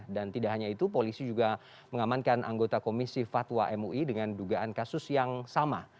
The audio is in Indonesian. dan tidak hanya itu polisi juga mengamankan anggota komisi fatwa mui dengan dugaan kasus yang sama